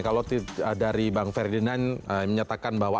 kalau dari bang ferdinand menyatakan bahwa